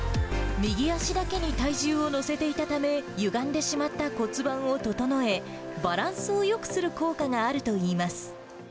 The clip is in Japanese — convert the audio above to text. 右足だけに体重を乗せていたため、ゆがんでしまった骨盤を整え、バランスをよくする効果があるといいます。